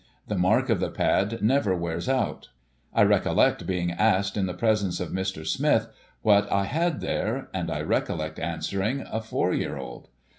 The mark of the pad never wears out. I recollect being asked, in the presence of Mr. Smith, what I had there? and I recollect answering, a four year old.